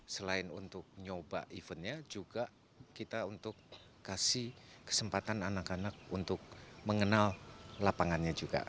selain untuk nyoba eventnya juga kita untuk kasih kesempatan anak anak untuk mengenal lapangannya juga